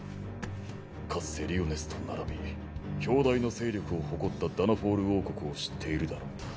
かつてリオネスと並び強大な勢力を誇ったダナフォール王国を知っているだろう？